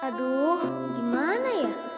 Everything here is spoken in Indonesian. aduh gimana ya